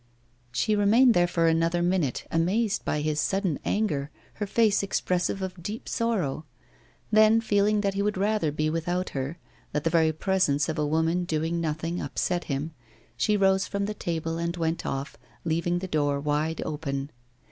She remained there for another minute, amazed by his sudden anger, her face expressive of deep sorrow. Then, feeling that he would rather be without her, that the very presence of a woman doing nothing upset him, she rose from the table and went off, leaving the door wide open.